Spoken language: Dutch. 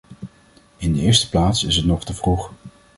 In de eerste plaats is het nog te vroeg.